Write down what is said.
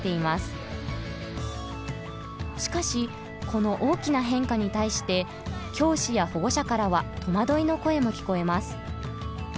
しかしこの大きな変化に対して教師や保護者からは戸惑いの声も聞こえます。